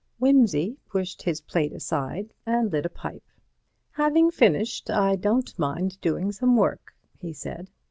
Wimsey pushed his plate aside and lit a pipe. "Having finished, I don't mind doing some work," he said.